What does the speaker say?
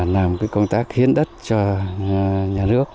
làm cái công tác hiến đất cho nhà nước